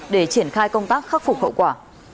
để triển khai công tác khắc phục hậu quả